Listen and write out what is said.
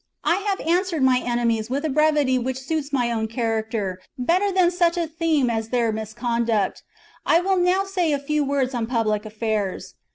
" I have answered my enemies with a brevity which suits my own character better than such a theme as their misconduct ; I will now say a few words on public affairs.